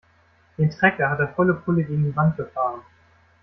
Den Trecker hat er volle Pulle gegen die Wand gefahren.